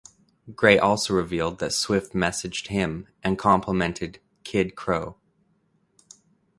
Gray also revealed that Swift messaged him and complimented "Kid Krow".